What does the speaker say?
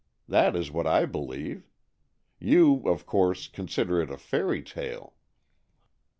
That is what I believe. You, of course, consider it a fairy tale."